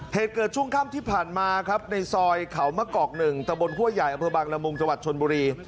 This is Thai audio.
เหตุเกิดช่วงค่ำที่ผ่านมาครับในซอยเขามะกอกหนึ่งตะบนหัวใหญ่อำเภอบางละมุงจังหวัดชนบุรี